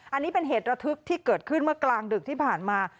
อันนี้เป็นเหตุระทึกที่เกิดขึ้นเมื่อกลางดึกที่ผ่านมา